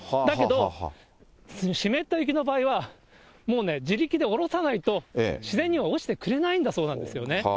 だけど、湿った雪の場合は、もうね、自力で下ろさないと、自然には落ちてくれないんだそうなんですよね。